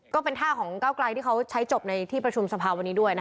ก็เป็นท่าของก้าวไกลที่เขาใช้จบในที่ประชุมสภาวันนี้ด้วย